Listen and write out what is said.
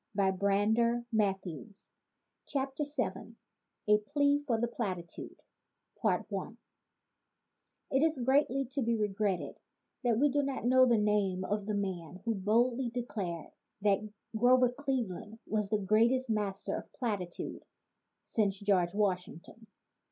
VII A PLEA FOR THE PLATITUDE VII A PLEA FOR THE PLATITUDE IT is greatly to be regretted that we do not know the name of the man who boldly de clared that "Grover Cleveland was the greatest master of platitude since George Washington."